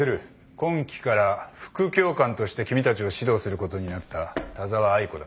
今期から副教官として君たちを指導することになった田澤愛子だ。